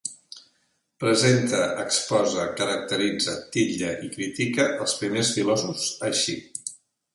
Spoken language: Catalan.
Presente, expose, caracteritze, titlle i critique els primers filòsofs així: